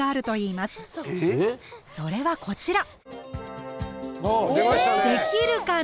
それはこちら。